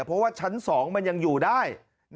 เพราะว่าชั้น๒มันยังอยู่ได้